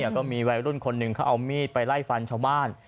ก็มีวัยรุ่นคนหนึ่งเขาเอามีดไปไล่ฟันชาวบ้าน